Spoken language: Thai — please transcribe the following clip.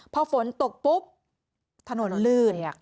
พอฝนตกปุ๊บถนนลื่น